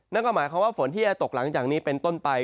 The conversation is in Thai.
นั่นก็หมายความว่าฝนที่จะตกหลังจากนี้เป็นต้นไป